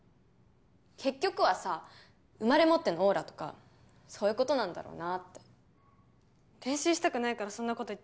結局はさ生まれ持ってのオーラとかそういうことなんだろうなって練習したくないからそんなこと言ってんの？